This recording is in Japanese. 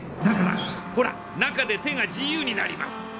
だからほら中で手が自由になります。